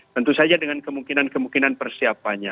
tentu saja dengan kemungkinan kemungkinan persiapannya